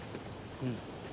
うん。